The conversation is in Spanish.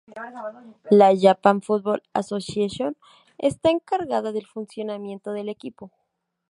La Japan Football Association está encargada del funcionamiento del equipo.